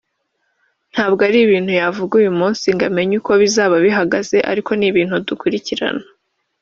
ntabwo ari ibintu yavuga uyu munsi ngo amenye uko bizaba bihagaze ariko ni ibintu dukurikirana